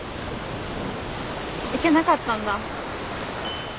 行けなかったんだ。